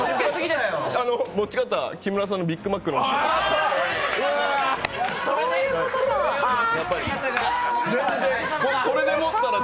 持ち方木村さんのビッグマックの持ち方。